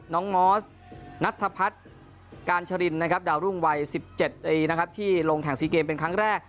น้องมอสณัฐพัฒน์การ์จริญดาวรุ่งวัย๑๗ที่ลงแข่งซีเกมเป็นครั้งแรก